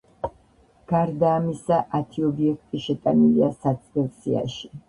გარდა ამისა, ათი ობიექტი შეტანილია საცდელ სიაში.